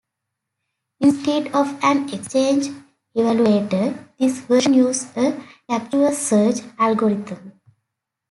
Instead of an "exchange evaluator", this version used a "capture search" algorithm.